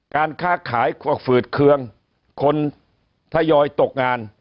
การค้าขายก็ฝืดเคืองคนทยอยตกงาน